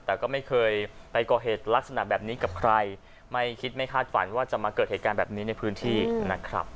แต่ก็ไม่เคยไปก่อเหตุลักษณะแบบนี้กับใครไม่คิดไม่คาดฝันว่าจะมาเกิดเหตุการณ์แบบนี้ในพื้นที่นะครับ